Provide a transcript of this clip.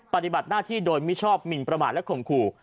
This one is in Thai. ปฏิบัติหน้าที่โดยมิชอบหมินประมาทและข่มขู่